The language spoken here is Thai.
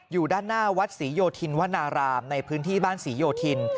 อยู่ด้านหน้าวัดศรีโยธินวนารามในพื้นที่บ้านศรีโยธิน